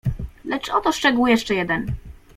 "Lecz oto szczegół jeszcze jeden."